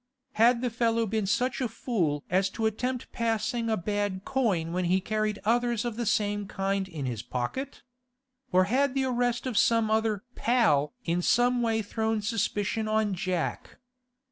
Had the fellow been such a fool as to attempt passing a bad coin when he carried others of the same kind in his pocket? Or had the arrest of some other 'pal' in some way thrown suspicion on Jack?